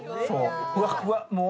ふわっふわ、もう。